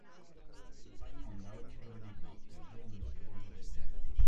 Va in onda ogni giovedì notte, ovvero nelle prime ore del venerdì.